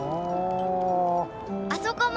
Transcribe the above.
あそこも！